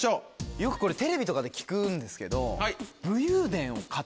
よくこれテレビとかで聞くんですけど。